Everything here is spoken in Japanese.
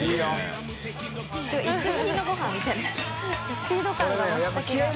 スピード感が増した気が。